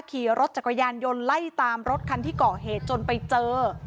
ขี่รถจักรยานยนต์ไล่ตามรถคันที่ก่อเหตุจนไปเจอ